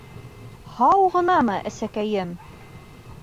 — Һау ғынамы, әсәкәйем...